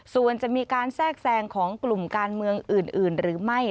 ส่วนจะมีการแทรกแซงของกลุ่มการเมืองอื่นหรือไม่